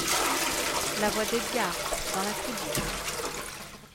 La voix d’Edgard , dans la coulisse.